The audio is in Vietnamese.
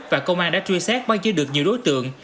và công an đã truy xét bao nhiêu được nhiều đối tượng